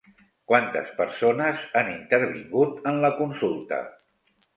Quantes persones han intervingut en la consulta?